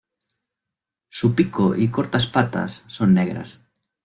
Su pico y cortas patas son negras.